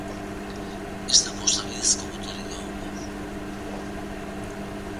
Ez da posta bidezko botorik egongo.